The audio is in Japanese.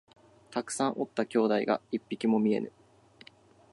たくさんおった兄弟が一匹も見えぬ